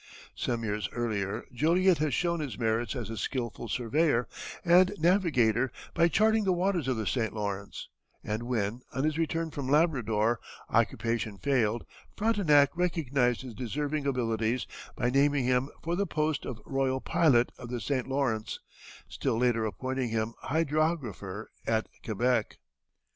Some years earlier Joliet had shown his merits as a skilful surveyor and navigator by charting the waters of the St. Lawrence, and when, on his return from Labrador, occupation failed, Frontenac recognized his deserving abilities by naming him for the post of royal pilot of the St. Lawrence, still later appointing him hydrographer at Quebec.